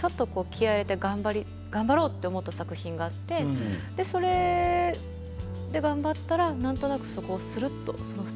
お仕事を少し気合い入れて頑張ろうと思った作品があってそれで頑張ったらなんとなくそこをするっといけたんですよね